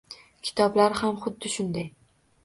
Kitoblar ham xuddi shunday.